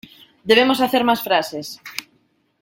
Debemos hacer más frases.